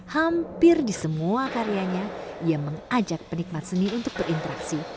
hampir di semua karyanya ia mengajak penikmat seni untuk berinteraksi